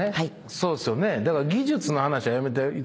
そうですよね。